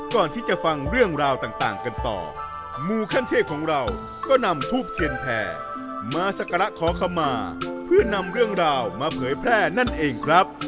ก่อนที่จะฟังเรื่องราวต่างกันต่อมูขั้นเทพของเราก็นำทูบเทียนแผ่มาสักการะขอขมาเพื่อนำเรื่องราวมาเผยแพร่นั่นเองครับ